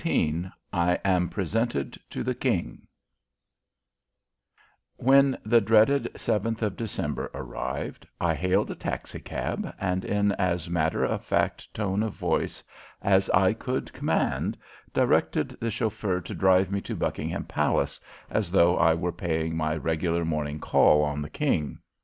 XIX I AM PRESENTED TO THE KING When the dreaded 7th of December arrived I hailed a taxicab and in as matter of fact tone of voice as I could command directed the chauffeur to drive me to Buckingham Palace, as though I were paying my regular morning call on the King.